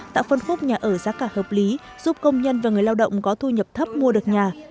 tạo phân khúc nhà ở giá cả hợp lý giúp công nhân và người lao động có thu nhập thấp mua được nhà